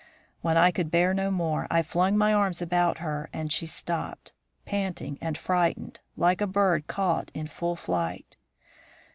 When I could bear no more, I flung my arms about her and she stopped, panting and frightened, like a bird caught in full flight.